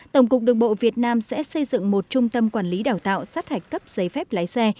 tổng cục đường bộ việt nam sẽ xây dựng một trung tâm quản lý đào tạo sát hạch cấp giấy phép lái xe